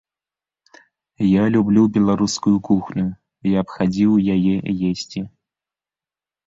Я люблю беларускую кухню, я б хадзіў яе есці.